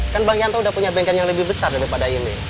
kan bang yanto udah punya banking yang lebih besar daripada ini